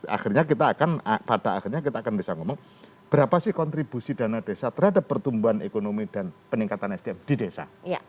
akhirnya kita akan pada akhirnya kita akan bisa ngomong berapa sih kontribusi dana desa terhadap pertumbuhan ekonomi dan peningkatan sdm di desa